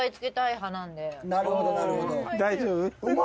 大丈夫？